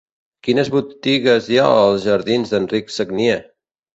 Quines botigues hi ha als jardins d'Enric Sagnier?